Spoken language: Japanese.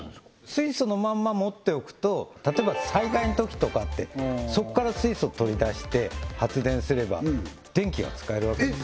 水素のまんま持っておくと例えば災害のときとかってそこから水素取り出して発電すれば電気が使えるわけです